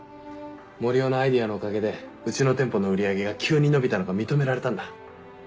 森生のアイデアのおかげでうちの店舗の売り上げが急に伸びたのが認められたんだ。